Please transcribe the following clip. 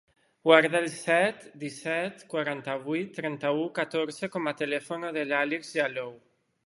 Guarda el set, disset, quaranta-vuit, trenta-u, catorze com a telèfon de l'Alix Jallow.